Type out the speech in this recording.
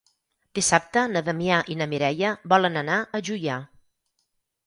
Dissabte na Damià i na Mireia volen anar a Juià.